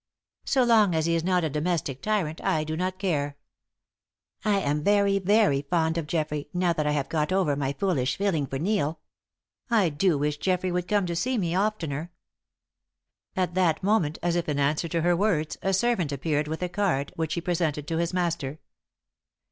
"So long as he is not a domestic tyrant I do not care. I am very, very fond of Geoffrey, now that I have got over my foolish feeling for Neil. I do wish Geoffrey would come to see me oftener." At that moment, as if in answer to her words, a servant appeared with a card, which he presented to his master.